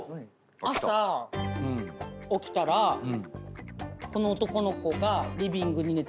朝起きたらこの男の子がリビングに寝てたんすようちの。